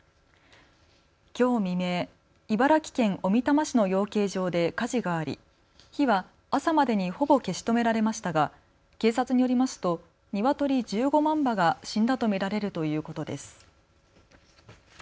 きょう未明、茨城県小美玉市の養鶏場で火事があり火は朝までにほぼ消し止められましたが警察によりますとニワトリ１５万羽が死んだと見られるということです。